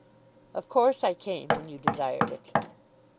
"Of course I came, when you desired it."